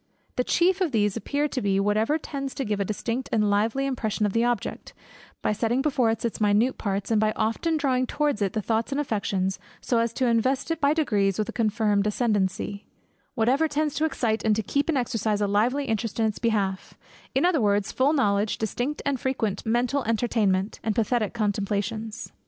The chief of these appear to be, whatever tends to give a distinct and lively impression of the object, by setting before us its minute parts, and by often drawing towards it the thoughts and affections, so as to invest it by degrees with a confirmed ascendency: whatever tends to excite and to keep in exercise a lively interest in its behalf: in other words; full knowledge, distinct and frequent mental entertainment, and pathetic contemplations.